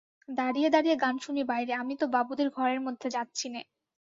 দাঁড়িয়ে দাঁড়িয়ে গান শুনি বাইরে, আমি তো বাবুদের ঘরের মধ্যে যাচ্ছি নে?